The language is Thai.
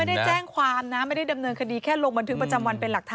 ไม่ได้แจ้งความนะไม่ได้ดำเนินคดีแค่ลงบันทึกประจำวันเป็นหลักฐาน